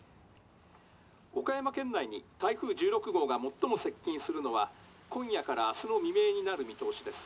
岡山県内に台風１６号が最も接近するのは今夜から明日の未明になる見通しです」。